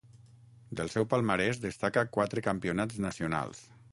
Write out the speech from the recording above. Del seu palmarès destaca quatre Campionats nacionals.